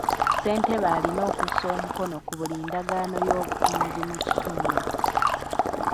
Ssentebe alina okussa omukono ku buli ndagaano y'obutunzi mu kitundu.